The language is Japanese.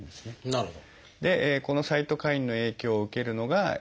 なるほど。